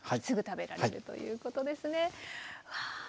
すぐ食べられるということですね。